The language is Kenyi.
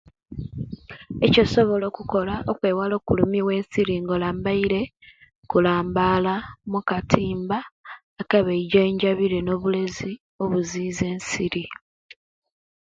Ekyosobola okukola okwewala okulumiwa ensiri nga olambaire kulambala mukatimba kebejanjabire ne obulezi obuziza ensiri